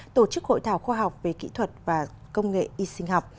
tổ chức hội thảo khoa học về kỹ thuật và công nghệ y sinh học